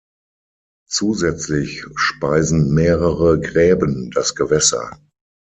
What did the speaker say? Zusätzlich speisen mehrere Gräben das Gewässer.